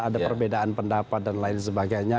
ada perbedaan pendapat dan lain sebagainya